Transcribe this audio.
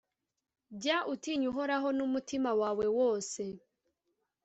Jya utinya Uhoraho n’umutima wawe wose,